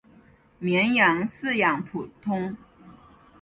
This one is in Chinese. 绵羊饲养普通。